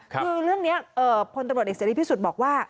คือเรื่องนี้พลตำรวจเอกเสรีพิสุทธิ์บอกว่า